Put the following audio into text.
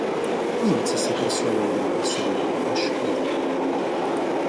Nejvíce se proslavil rolí v seriálu "Rush Hour".